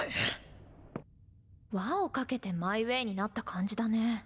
輪をかけてマイウェイになった感じだね。